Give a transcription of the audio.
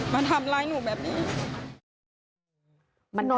มาทำร้ายหนูแบบนี้